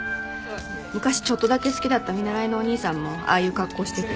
昔ちょっとだけ好きだった見習いのお兄さんもああいう格好してて。